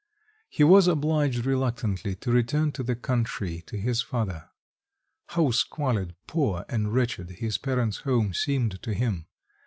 He was obliged reluctantly to return to the country to his father. How squalid, poor, and wretched his parents' home seemed to him!